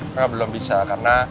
karena belum bisa karena